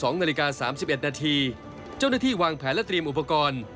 ๒นาฬิกา๓๑นาทีเจ้าหน้าที่วางแผนและเตรียมอุปกรณ์